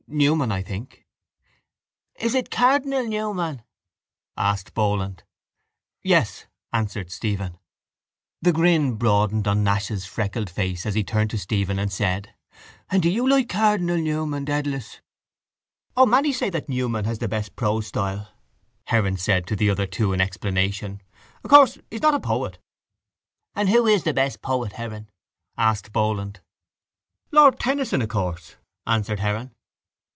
—Newman, I think. —Is it Cardinal Newman? asked Boland. —Yes, answered Stephen. The grin broadened on Nash's freckled face as he turned to Stephen and said: —And do you like Cardinal Newman, Dedalus? —O, many say that Newman has the best prose style, Heron said to the other two in explanation, of course he's not a poet. —And who is the best poet, Heron? asked Boland. —Lord Tennyson, of course, answered Heron.